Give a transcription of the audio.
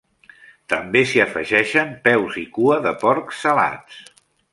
També s'hi afegeixen peus i cua de porc salats.